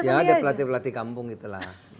ya ada pelatih pelatih kampung itulah